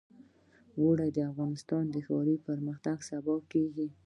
اوړي د افغانستان د ښاري پراختیا سبب کېږي.